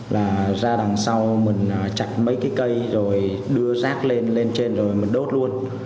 là ra đằng sau mình chạch mấy cái cây rồi đưa rác lên trên rồi mình đốt luôn